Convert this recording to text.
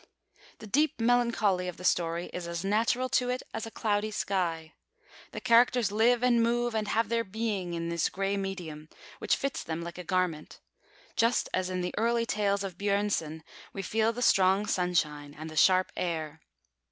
The deep melancholy of the story is as natural to it as a cloudy sky. The characters live and move and have their being in this grey medium, which fits them like a garment; just as in the early tales of Björnson we feel the strong sunshine and the sharp air.